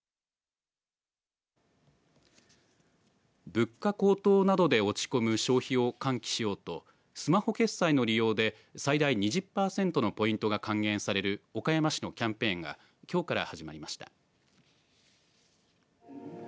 物価高騰などで落ち込む消費を喚起しようとスマホ決済の利用で最大２０パーセントのポイントが還元される岡山市のキャンペーンがきょうから始まりました。